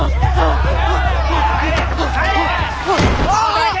帰れ！